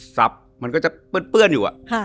ซับมันก็จะเปื้อนอยู่อะ